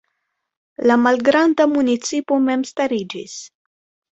La malgranda municipo memstariĝis.